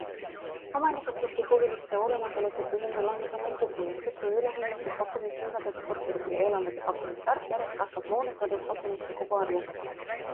Omanikud siiski huviliste olemasolu tõttu hindu langetama ei kuku, mistõttu ülehinnatud pakkumishindadega korterite ja elamute pakkumiste arv järjest kasvab, moonutades pakkumiste koguarvu.